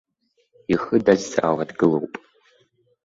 Ихы дазҵаауа дгылоуп.